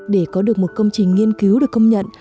để có được một công trình nghiên cứu được công nhận